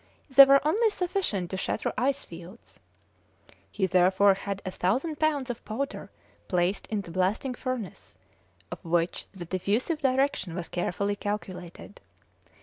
They were only sufficient to shatter ice fields. He therefore had a thousand pounds of powder placed in the blasting furnace, of which the diffusive direction was carefully calculated.